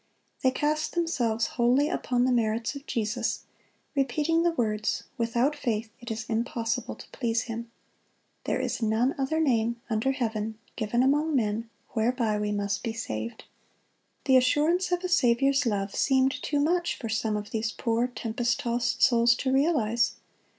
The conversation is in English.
They cast themselves wholly upon the merits of Jesus, repeating the words, "Without faith it is impossible to please Him."(104) "There is none other name under heaven given among men, whereby we must be saved."(105) The assurance of a Saviour's love seemed too much for some of these poor tempest tossed souls to realize.